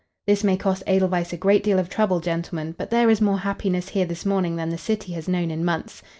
"This may cost Edelweiss a great deal of trouble, gentlemen, but there is more happiness here this morning than the city has known in months.